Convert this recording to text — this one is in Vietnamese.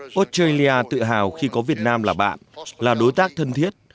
australia tự hào khi có việt nam là bạn là đối tác thân thiết